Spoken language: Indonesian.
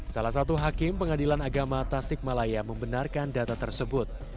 salah satu hakim pengadilan agama tasik malaya membenarkan data tersebut